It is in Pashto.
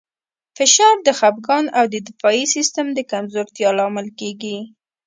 فشار د خپګان او د دفاعي سیستم د کمزورتیا لامل کېږي.